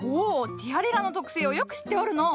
ティアレラの特性をよく知っておるのう。